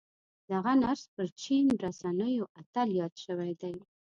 دغه نرس پر چين رسنيو اتل ياد شوی دی.